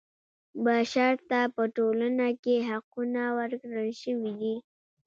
بشر ته په ټولنه کې حقونه ورکړل شوي دي.